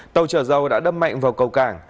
tàu chở dầu đã đâm mạnh vào cầu cảng